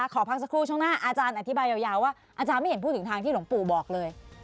ขอพักสักครู่ช่วงหน้าอาจารย์อธิบายยาวว่าอาจารย์ไม่เห็นพูดถึงทางที่หลวงปู่บอกเลย